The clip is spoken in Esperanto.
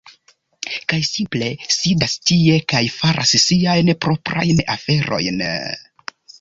Kaj simple sidas tie kaj faras siajn proprajn aferojn...